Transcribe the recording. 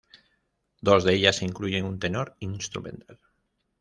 Dos de ellas incluyen un tenor instrumental.